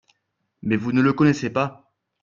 Mais vous ne le connaissez pas…